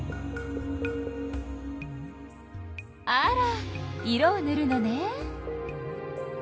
あら色をぬるのね。